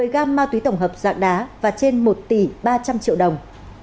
một mươi gam ma túy tổng hợp dạng đá và trên một tỷ ba trăm linh triệu đồng